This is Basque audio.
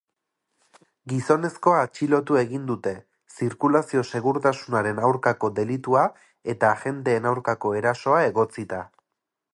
Gizonezkoa atxilotu egin dute, zirkulazio-segurtasunaren aurkako delitua eta agenteen aurkako erasoa egotzita.